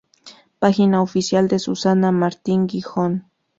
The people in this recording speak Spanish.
Página oficial de Susana Martín Gijón